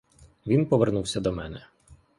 Він повернувся до мене.